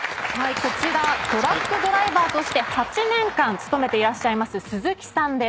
こちらトラックドライバーとして８年間勤めていらっしゃいます鈴木さんです。